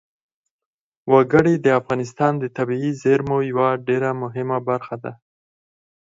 وګړي د افغانستان د طبیعي زیرمو یوه ډېره مهمه برخه ده.